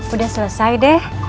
udah selesai deh